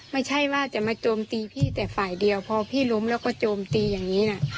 ไม่ใช่ว่าจะมาโจมตีพี่แต่ฝ่ายเดียวพอพี่ล้มแล้วก็โจมตีอย่างนี้นะ